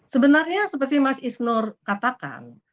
sebenarnya seperti mas isnur katakan